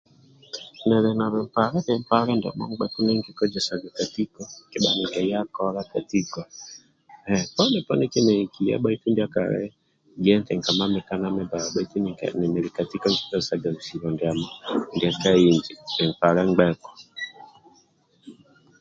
Nili na bimpale bimpale ngbeku ndie nikikozesaga ka tiko kedha nili kayami ka tiko poni poni kindie nikiya bhaitu ndia kalib eti nikamamikani bba bhaitu ninili ka tiko nikikozesaga bisibo ndiamo ndia ka inji bimpale ngbeku